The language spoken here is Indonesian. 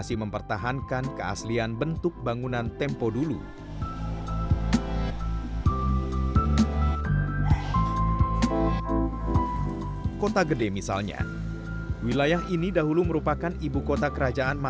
sampai jumpa di video selanjutnya